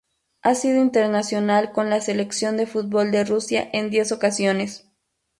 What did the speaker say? Ha sido internacional con la selección de fútbol de Rusia en diez ocasiones.